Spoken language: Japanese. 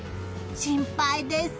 心配です。